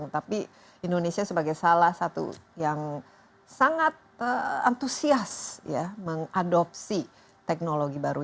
tapi indonesia sebagai salah satu yang sangat antusias ya mengadopsi teknologi baru